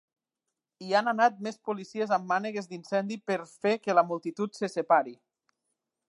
Hi han anat més policies amb mànegues d'incendi per fer que la multitud se separi.